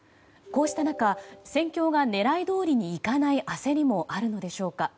こうした中戦況が狙いどおりにいかない焦りもあるのでしょうか。